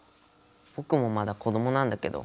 ぼくもまだ子どもなんだけど。